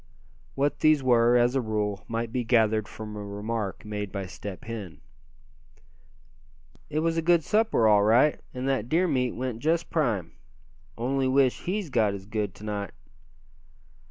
What these were, as a rule, might be gathered from a remark made by Step Hen. "It was a good supper, all right, and that deer meat went just prime. Only wish he's got as good to night."